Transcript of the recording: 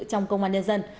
trong công an nhân dân